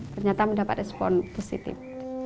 ternyata mendapat respon positif